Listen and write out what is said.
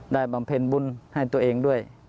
บำเพ็ญบุญให้ตัวเองด้วย